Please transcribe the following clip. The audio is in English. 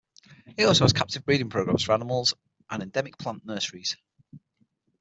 It also has captive breeding programs for animals, and endemic plant nurseries.